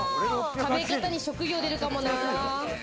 食べ方に職業、出るかもな。